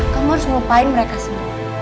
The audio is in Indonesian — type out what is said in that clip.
kamu harus melupain mereka semua